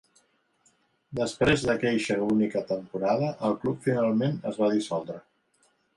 Després d'aqueixa única temporada, el club finalment es va dissoldre.